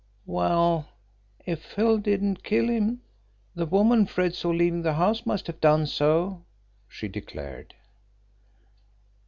"Well, if Hill didn't kill him, the woman Fred saw leaving the house must have done so," she declared.